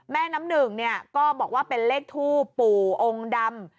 แม่น้ำหนึ่งเนี่ยก็บอกว่าเป็นเลขทูบปู่องค์ดำ